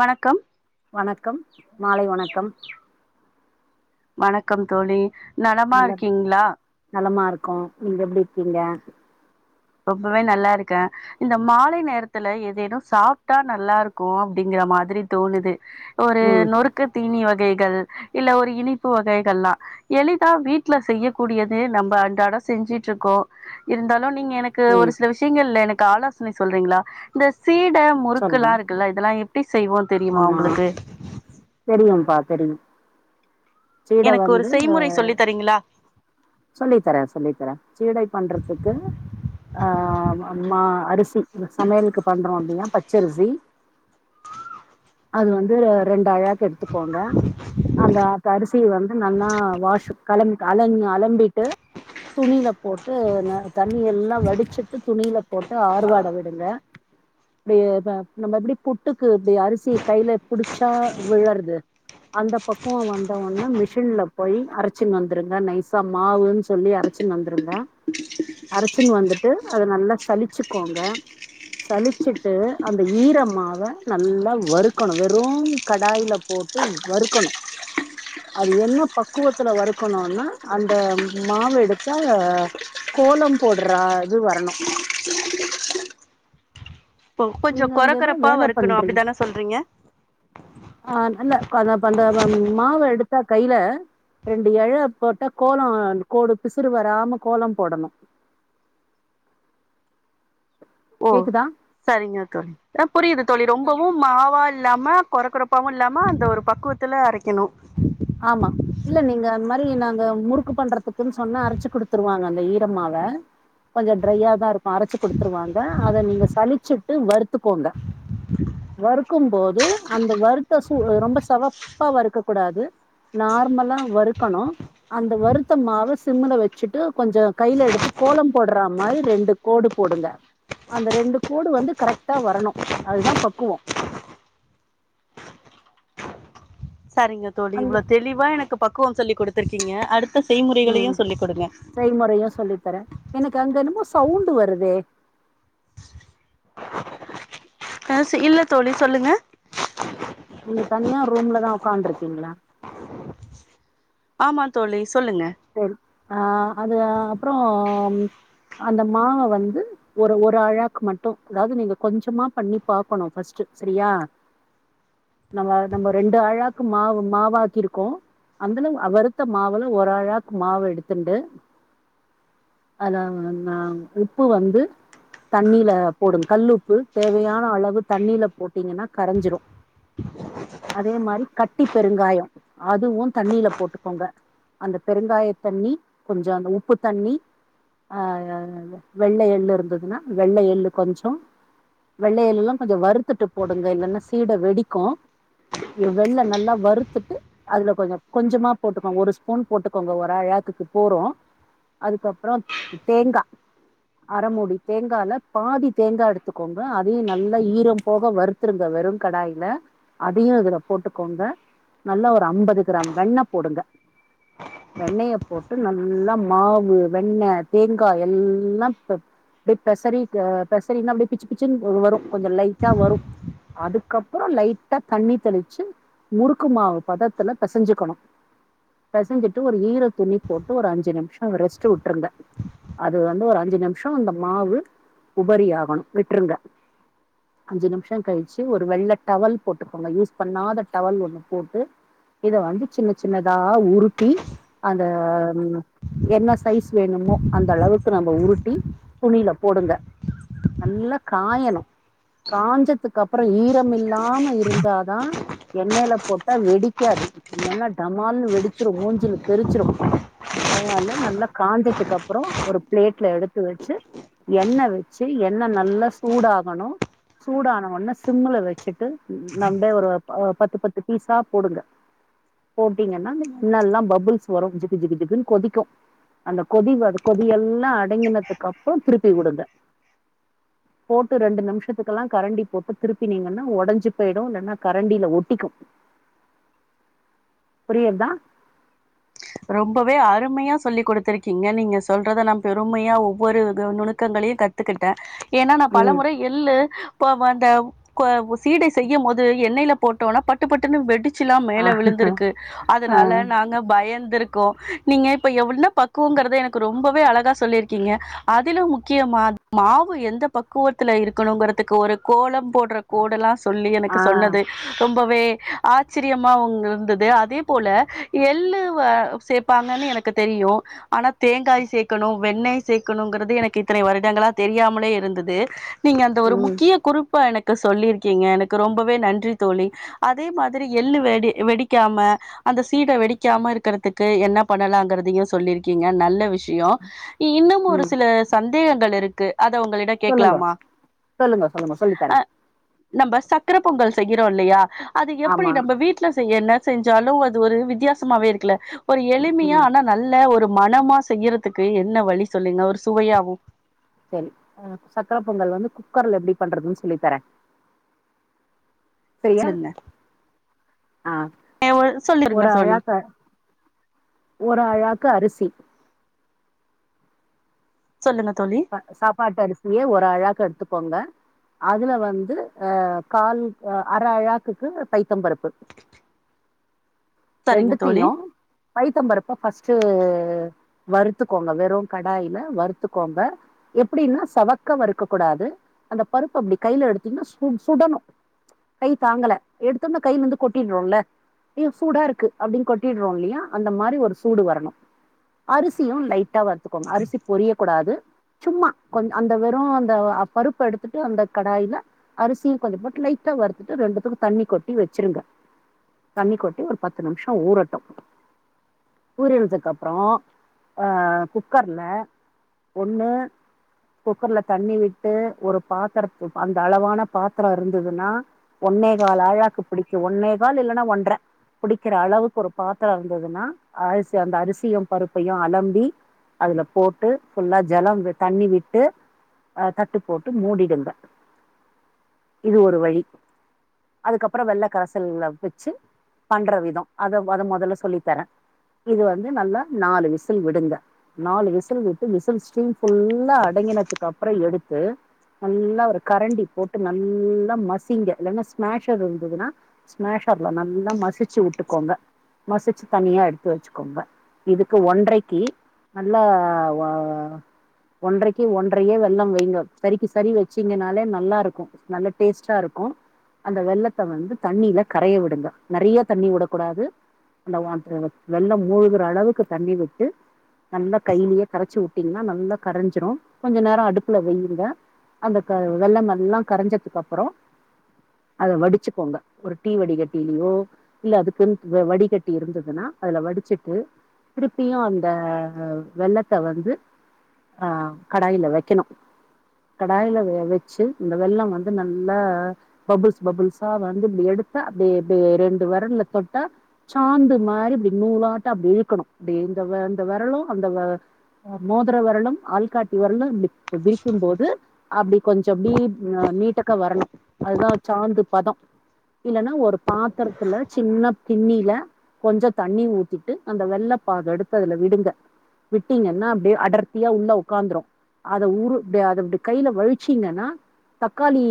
வணக்கம் வணக்கம் மாலை வணக்கம் வணக்கம் தோழி நலமா நல்ல இருக்கீங்ளா? நலமா இருக்கோ நீங்க எப்டி இருக்கீங்க ரொம்பவே நல்லாருக்கே இந்த மாலை நேரத்துல ஏதேனு சாப்ட்டா நல்லாருக்கு அப்டிங்கற மாதிரி தோணுது ஒரு ம் நொறுக்கு தீனி வ கைகள் இல்ல ஒரு இனிப்பு வகைகள்லா எளிதா வீட்ல செய்யக்கூடியது நம்ப அன்றாட செஞ்சுட்டுருக்கோம் இருந்தாலு நீங்க கு ஒரு ம் சில விஷயங்கள் எனக் ஆலோசனை சொல்றீங்களா இந்த சீட சொல்லுங்க முறுக்கெல்லா இருக்குல இதெல்லா எப்டி செய்வோ தெரியுமா உங்களுக்கு ம் பா தெரியு சீட எனக்கு ஒரு வந்து செய்முறை சொல்லி தரீங்களா சொல்லி தரேன் சொல்லி தரேன் சீடை பண்றதுக்கு ஆ மா அரிசி சமையலுக்கு பண்றோயில்லையா பச்சரிசி அது வந்து ரெண்டாழாக் எடுத்துக்கோங்க அந்த க அரிசிய வந்து நன்னா வாஷும் கலம் அலம் அலம் பிட்டு துணியில போட்டு ந தண்ணியெல்லா வடிச்சுட்டு துணியில போட்டு ஆ ஆறுவாட விடுங்க [unintelligible] நம்ம எப்டி புட்டுக் கு இப்டி அரிசிய கைல புடிச்சா விழறது அந்த பக்குவ வந்தவொன்ன மிஷின்ல போய் அரைச்சின்னு வந்துருங்க நைசா மாவுன்னு சொல்லி அரைச்சின்னு வந்துருங்க அரைச்சின்னு வந்துட்டு அத நல்லா சலிச்சுக்கோங்க சலிச்சுட்டு அந்த ஈர மாவ நல்லா வறுக்கணு வெறு கடாயில போட்டு வறுக்கணும் அது என்ன பக்குவத்துல வறுக்கணுன்னா அந்த மாவு எடுத்தா ஆ கோலம் போட்றா இது வரணு ஒ கொஞ்சோ நீங்க அங்க எதோ கொரகொரப்பா வேல வறுக்கணு பண்றீங்க அப்டிதான சொல்றீங்க ஆ இல்ல [unintelligible] அந்த மாவ எடுத்தா கைல ரெண்டு எல போட்டா கோலம் கோடு பிசுறு வராம கோலம் போடணு ஒ கேக்குதா சரிங்க தோழி ஆ புரியிது தோழி ரொம்பவும் மாவா இல் இல்லாம கொரகொரப்பாவு இல்லாம அந்த ஒரு பக்குவத்துல அரைக்கணு சி நாங்க முறுக்கு பண்றதுக்குன்னு சொன்னா அரச்சு குடுத்துருவாங்க அந்த ஈரமாவ கொஞ்ச ட்ரையாதாருக் அரச்சு குடுத்துருவாங்க அத நீங்க சலிச்சி ட்டு வறுத்துக்கோங்க வறுக்கும் போது அந்த வறுத்த சு ரொம்ப செவப்பா வறுக்க கூடாது நார்மலா வறுக்கணு அந்த வறுத்தமாவ சிம்முல வச்சுட்டு கொஞ்ச கையில எடுத்து கோலம் போட்ற மாரி ரெண்டு கோடு போடுங்க அந்த ரெண்டு கோடு வந்து கரெக்டா வரணு அதுதா பக்குவோ சரிங்க தோழி இவ்ளோ அந்த தெளிவா எனக்கு பக்குவம் சொல்லி கொடுத்துருக்கீங்க அடுத் ம் செய்முறையு சொல்லித் தர எனக்கு அங்க என்னமோ சவுண்டு வருதே ஆ சி இல்ல தோழி சொல்லுங்க நீங்க தனியா ரூம்லதா உக்காண்ட்ருக்கீங்களா ஆமா தோழி சொல்லுங்க சேரி ஆ அது அப்புறம் அந்த மாவ வந்து ஒரு ஒரு அழாக்கு மட்டு அதாவது நீங்க கொஞ்சமா பண்ணி பாக்கணு ஃபஸ்ட்டு சரியா நம்ம நம்ம ரெண்டு அழாக்கு மாவு மாவாக்கிருக்கோ அதுல வறுத்த மாவுல ஒரு அழாக் மாவு எடுத்துண்டு அத நா உப்பு வந்து தண்ணில போடுங் கல்லு உப்பு தேவையான அளவு தண்ணில போட்டீங்கன்னா கரஞ்சிரு அதே மாரி கட்டிப் பெருங்காய அதுவு தண்ணில போட்டுக்கோங்க அந்த பெருங்காய தண்ணி கொஞ்ச அந்த உப்புத் தண்ணி ஆ வெள்ள எள்ளு இருந்ததுன்னா வெள்ள எள்ளு கொஞ்ச வெள்ள எள்ளுலா கொஞ்ச வறுத்துட்டு போடுங்க இல்லன்னா சீட வெடிக்கும் வெள்ள நல்லா வறுத்துட்டு அதுல கொஞ்ச கொஞ்சமா போட்டுக்கோங்க ஒரு ஸ்பூன் போட்டு க்கோங்க ஒரு அழாக்குக்கு போறும் அதுக்கப்புற தேங்கா அரமூடி தேங்கால பாதி தேங்கா எடுத்துக்கோங்க அதையு நல்லா ஈரம் போக வறுத்துருங்க வெறும் கடாயில அதையு இதுல போட்டுக்கோங்க நல்ல ஒரு அம்பது கிராம் வெண்ண போடுங்க வெண்ணைய போட்டு நல்லா மாவு வெண்ண தேங்கா எல்லா இப்ப அப்டே பெசறிட்டு பெசறின்னா அப்டியே பிச்சு பிச்சுன்னு வரும் கொஞ்ச லைட்டா வரும் அதுக்கப்புற லைட்டா தண்ணி தெளிச்சு முறுக்கு மாவு பதத்துல பெசஞ்சிக்கணு பெசஞ்சிட் ட்டு ஒரு ஈர துணி போட்டு ஒரு அஞ்சி நிமிஷ ரெஸ்ட்டு ருங்க அது வந்து ஒரு அஞ் அஞ்சி நிமிஷ அந்த மாவு உபரி ஆகணு விட்டுருங்க அஞ்சி நிமிஷ கழிச்சி ஒரு வெள்ள டவல் போட்டுக்கோங்க யூஸ் பண்ணாத டவல் ஒன்னு போட்டு இத வந்து சின்ன சின்னதா உருட்டி அந்த என்ன சைஸ் வேணுமோ அந்தளவுக்கு நம்ம உருட்டி துணியில போடுங்க நல்லா காயணு காஞ்சத்துக்கு அப்புற ஈரம் இல்லாம இருந்தாதா எண்ணெயில போட்டா வெடிக்காது இல்லனா டமால்னு வெடிச்சிரு மூஞ்சில வெரிச்சிரு அதனால நல்லா காஞ்சதுக்கு அப்புற ஒரு பிளேட்ல எடுத்து வச்சி எண்ண வச்சி எண்ண நல்லா சூடாகணு சூடானவொன்னே சிம்முல வச்சிட்டு நா அப்டே ஒரு ஆ பத்து பத்து பீஸ்ஸா போடுங்க போட்டீங்கன்னா அந்த எண்ண எல்லாம் பபுள்ஸ் வரும் ஜிகு ஜிகு ஜிகுன்னு கொதிக்கு அந்த கொதி கொதியெல்லா அடங்கினதுக்கு அப்ற திருப்பி விடுங்க போட்டு ரெண்டு நிமிஷத்துக்கெல்லா கரண்டி போட்டு திருப்பினீங்கன்னா ஒடஞ்சி போயிடு இல்லன்னா கரண்டி ஒட்டிக்கு புரியற்தா ரொம்பவே அருமையா சொல்லி் கொடுத்துருக்கீங்க நீங்க சொல்றத நா பெருமையா ஒவ்வொரு க நுணுக்கங்களையு கத்துக்கிட்ட ஏன்னா நா பல ம் முறை எள்ளு இப்ப அந்த சீடை செய்யும் போது எண்ணையில போட்டோனா பட்டுப்பட்டுன்னு வெடிச்சி ச்சில்லா ஆ மேல விழுந்துருக்கு ஆ அதனால நாங்க பயந் இருக்கும் நீங்க இப்ப என்ன பக்குவங்கறது எனக்கு ரொம்பவே அழகா சொல்லிருக்கீங்க அதிலும் முக்கியமா மாவு எந்த பக்குவத்துல இருக்கனுங்கிறத்துக்கு ஒரு கோலம் போட்ற கோடெல்லா சொல்லி எனக்கு ஆ சொன்னது ரொம் ரொம்வே ஆச்சரியமா உங் இருந்தது அதே போல எள்ளு வ ஆ சேப்பாங்கன்னு எனக்கு தெரியு ஆனா தேங்காய் சேக்கணும் வெண்ணெய் சேக்கணுங்கிறது எனக்கு இத்தனை வருடங்களா தெரியாமலே இருந்தது நீங்க அந்த ஒரு ம் முக்கிய குறிப்பா எனக் டு சொல்லியிருக்கீங்க எனக்கு ரொம்பவே நன்றி தோழி அதே மாதிரி எள்ளு வெடி வெடிக்காம அந்த சீட வெடிக்காம இருக்கறதுக் க்கு என்ன பண்ணலாங்கிறதையு சொல்லிருக்கீங்க நல்ல விஷியோ இ இன்னும் ஒரு ம் சில சந்தேகங்கள் இருக் அத உங்களிட சொல்லுங்க கேக்கலாமா சொல்லுங்க சொல்லுங்க ஆ சொல்லித்தரேன் நம்ப சக் சக்கர பொங்கல் செய்யிறோ இல்லையா அது எப்படி ஆமா நம்ம வீட்ல செய்யன்ன செஞ்சாலு அது ஒரு வித்தியாசமாவே இருக்குல ஒரு எளிமையா ம் ஆனா நல்ல ஒரு மணமா செய்யறத்துக்கு என்ன வழி சொல்லுங்க ஒரு சுவையாவு செரி ஆ சக்கர பொங்கல் வந்து குக்கர்ல எப்டி பண்றதுன்னு சொல்லி தரே செய்யா சொல்லுங்க ஆ சொல்லிருங்க ஒரு தோழி அழாக்கு ஒரு அழாக்கு அருசி சொல்லுங்க தோழி சாப்பாட்டு அருசியே ஒரு அழாக்கு எடுத்து போங்க அதுல வந்து அ கால் அர அழாக்குக்கு பைத்தம் பருப்பு சரிங்க தோழி ரெண்டுத்தையு பைத்தம்பருப்ப பஸ்ட்டு வறுத்துக்கோங்க வெறு கடாயில வறுத்துக்கோங்க எப்புடின்னா சவக்க வறுக்கக்கூடாது அந்த பருப்பப்டி கைல எடுத்திங்ன்னா சுட் சுடணு கை தாங்கல எடுத்தொம்னா கைலந்து கொட்டிட்றோல்ல இ சூடாரு கு அப்டின் கொட்டிட்றோல்லியா அந்த மாரி ஒரு சூடு வரணு அரிசியு லைட்டா வறுத்துக்கோங்க அரிசி பொரியக்கூடாது சும்மா கொஞ் அந்த வெறு அந்த அ பருப்ப எடுத்துட்டு அந்த கடாயில அரிசியு கொஞ்ச போட்டு லைட்டா வறுத்துட்டு ரெண்டுத்துக்கு தண்ணி கொட்டி வச்சுருங்க தண்ணி கொட்டி ஒரு பத்து நிம்ஷோ ஊறட்டு ஊறினதுக்கப்றோ ஆ குக்கர்ல ஒண்ணு குக்கர்ல தண்ணி விட்டு ஒரு பாத்தெரத் அந்த அளவான பாத்துரோஇருந்ததுன்னா ஒன்னே கால் ஆழாக்கு பிடிக்கு ஒன்னே கால் இல்லன்னா ஒன்ற புடிக்கிற அளவுக்கு ஒரு பாத்துரோ இருந்ததுன்னா அரிசி அந்த அரிசியும் பருப்பையு அலம்பி அதுல போட்டு ஃபுல்லா ஜலம் தண்ணி விட்டு அ தட்டு போட்டு மூடிடுங்க இது ஒரு வழி அதுக்கப்புறோ வெல்லக்கரசல்ல வெச்சு பண்ற விதொ அத வத மொதல்ல சொல்லி தரே இது வந்து நல்லா நாலு விசில் விடுங்க நாலு விசில் விட்டு விசில் ஸ்டீம் ஃபுல்லா அடங்கினதுக்கப்றொ எடுத்து நல்லா ஒரு கரண்டி போட்டு நல்லா மசிங்க இல்லன்னா ஸ்மாஷர் இருந்ததுன்னா ஸ்மாஷர்ல நல்லா மசி சிச்சு விட்டுக்கோங்க மசுச்சு தனியா எடுத்து வச்சுக்கோங்க இதுக்கு ஒன்றைக்கி நல்லா ஒ ஒன்றைக்கி ஒன்றையே வெல்லம் வைங்க சரிக்கு சரி வச்சீங்கனாலே நல்லாருக்கு நல்ல டேஸ்ட்டாருக்கு அந்த வெல்லத்த வந்து தண்ணில கரைய விடுங்க நெறைய தண்ணி வுடக்கூடாது அந்த வா து வெல்லம் மூழ்குற அளவுக்கு தண்ணி விட்டு நல்லா கைலெயே கரச்சு வுட்டீங்னா நல்லா கரஞ்சுரு கொஞ்ச நேரொ அடுப்புல வையிருங்க அந்த க வெல்லம் நல்லா கரஞ்சதுக்கப்றோ அத வடுச்சுக்கோங்க ஒரு டீ வடிகட்டீலயோ இல்ல அதுக்குன் வ வடிகட்டி இருந்ததுன்னா அதுல வடுச்சுட்டு திருப்பியு அந்த வெல்லத்த வந்து ஆ கடாயில வக்கெணு கடாயில வெ வச்சு இந்த வெல்லம் வந்து நல்லா பபுள்ஸ் பபுள்ஸா வந்து இப்டி எடுத்து அப்டே அப்டியே ரெண் டுவெரல்ல தொட்டா சாந்து மாரி இப்டி நூலாட்ட அப்டி இழுக்கணு அப்டி இந்த வ இந்த வெரலு அந்த வ மோதுர வெரலும் ஆள்காட்டி வெரலு இப்டி விரிக்கும்போது அப்டி கொஞ்சம் ப்படி அ நீட்டக்கா வரணு அதா சாந்து பதொ இல்லன்னா ஒரு பாத்துர துல சின்ன கிண்ணீல கொஞ்சொ தண்ணி ஊத்திட்டு அந்த வெல்லப்பாகெடுத்து அதுல விடுங்க விட்டீங்கன்னா அப்டே அடர்த்தியா உள்ள ஒக்காந்துரு அத ஊரு அதெப்டி கைல வழுச்சீங்கன்னா தக்காளி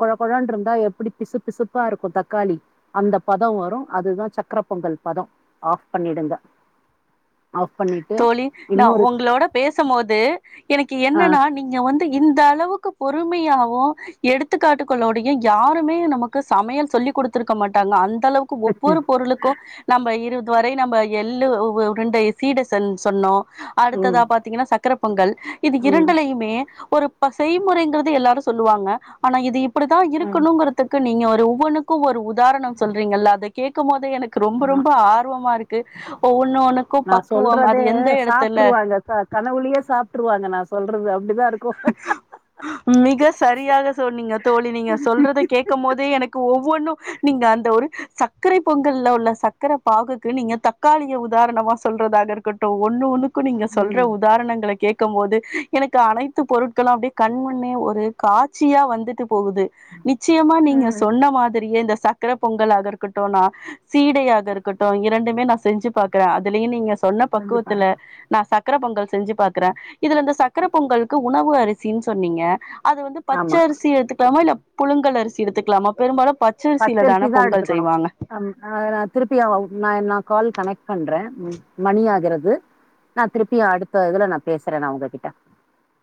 கொழ கொழன்ருந்தா எப்புடி பிசு பிசுப்பாருக்கு தக்காளி அந்த பதொ வரு அதுதா சக்கர பொங்கல் பதொ ஆஃப் பண்ணிடுங்க ஆஃப் பண்ணிட்டு தோழி நா இன்னொரு ஒங்ளோட பேசும் போது எனக்கு ஆ என்னன்னா நீங்க வந் து இந்த அளவுக்கு பொறுமயாவு எடுத்துக்காட்டுக்களோடயு யாருமே நமக்கு சமையல் சொல்லி் கொடுத்துருக்க மாட்டாங்க அந் தளவுக்கு ஒவ்வொரு பொருளுக்கு நம்ப இரு வரை நம்ப எள்ளு உருண்டை சீட சென் சொன்னோ ம் அடுத்ததா பாத்தீங்கனா சக்கர பொங்கல் இது ம் இரண்டுலயுமே ஒரு ப செய்முறைங்குறது எல்லாரு சொல்லுவாங்க ஆனா இது இப் புடி தா ம் இருக்கணுங்குறத்துக்கு நீங்க ஒ ஒவ்வொன்னுக்கு ஒரு உ தாரணம் சொல்றீங்கல்ல அத கே க்கும் போதெ எனக் கு ரொம்ப ஆ ரொம்ப ஆர்வமாருக்கு உ ஒனக்கும் நா சொல்றதே சாப்பிட்டுருவாங்க கனவுலையே சாப்பிட்டுருவாங்க நான் சொல்றது அப்டிதா இருக்கு மிக சரியாக சொன்னீங்க தோழி நீங்க சொல்றத கேட்கும் போதே எனக்கு ஒவ்வொன்னும் நீங்க அந்த ஒரு சர்க்கரை பொங்கல்ல உள்ள சக்கரை பாகுக்கு நீங்க தக்காளிய உதாரணமா சொல்றதாக இருக்கட்டும் ஒன்னு ஒன்னு க்கு நீங்க சொல்ற ம் உதாரணங்களை கேட்க இருக்கும் போது எனக்கு அனைத் பொருட்களு அப்படியே கண்முண்ணே ஒரு காட்சியா வந்துட்டு போகுது நிச்சயமா நீங்க சொன்ன மாதிரியே இந்த சக்கர பொங்கலாக இருக்கட்டு நா சீடையாக இருக்கட்டு இரண்டுமே நா செஞ்சு பாக்குறே அதுலயு நீங்க சொன்ன செஞ்சு பக்குவத்துல பாருங்க நா சக்கர பொங்கல் செஞ்சு பாக்குறே இதுல இந்த சக்கர பொங்கல் க்கு உணவு அரிசின்னு சொன்னீங்க அது வந்து ஆமா பச்சரிசி எடுத்துக்கலாமா இல்ல புழுங்கள் அரிசி எடுத்துக்கலாமா பெரும்பாலு பச்சரிசில தான பச்சரிசிதா பொங்கல் எடுத்துக்கணு செய்வாங்க ம் ஆ திருப்பியு நா நான் கால் கனெக்ட் பண்றே உம் மணி ஆகிறது நா திருப்பியு அடுத்த இதுல நா பேசுறே நா உங்ககிட்ட